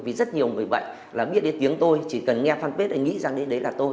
vì rất nhiều người bệnh là biết đến tiếng tôi chỉ cần nghe phân phết thì nghĩ rằng đến đấy là tôi